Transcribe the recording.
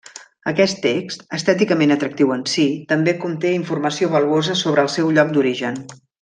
Aquest text, estèticament atractiu en si, també conte informació valuosa sobre el seu lloc d'origen.